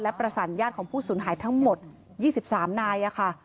ประสานญาติของผู้สูญหายทั้งหมด๒๓นายค่ะ